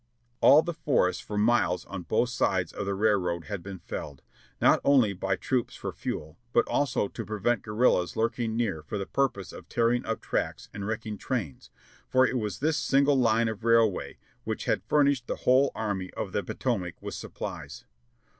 All the forests for miles on both sides of the railroad had been felled ; not only by the troops for fuel, but also to prevent guer rillas lurking near for the purpose of tearing up tracks and wreck ing trains, for it was this single line of railway which had fur nished the whole Army of the Potomac with supplies.